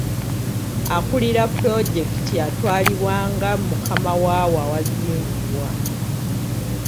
Akulira pulojekiti atwalibwa nga mukama waawo awazimbibwa.